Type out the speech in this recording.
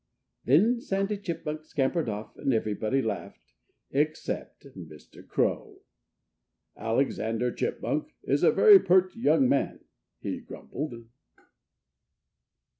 Then Sandy Chipmunk scampered off. And everybody laughed except Mr. Crow. "Alexander Chipmunk is a very pert young man," he grumbled.